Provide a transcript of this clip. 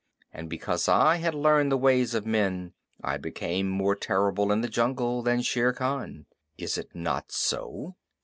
And because I had learned the ways of men, I became more terrible in the jungle than Shere Khan. Is it not so?"